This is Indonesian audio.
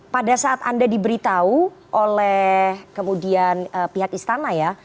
pada saat anda diberitahu oleh kemudian pihak istana ya